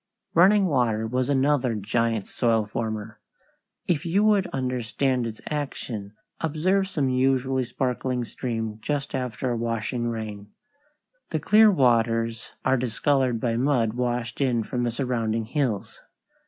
Running water was another giant soil former. If you would understand its action, observe some usually sparkling stream just after a washing rain. The clear waters are discolored by mud washed in from the surrounding hills.